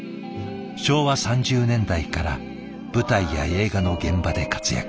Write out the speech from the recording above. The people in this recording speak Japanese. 昭和３０年代から舞台や映画の現場で活躍。